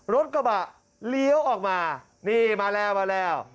รถกระบะเลี้ยวออกมานี่มาแล้วมาแล้ว